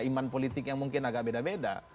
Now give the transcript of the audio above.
iman politik yang mungkin agak beda beda